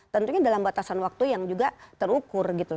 tentunya dalam batasan waktu yang juga terukur gitu